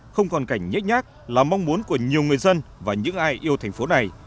không còn cảnh nhét nhát là mong muốn của nhiều người dân và những ai yêu thành phố này